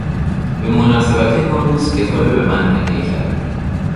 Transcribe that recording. به مناسبت نوروز کتابی به من هدیه کرد.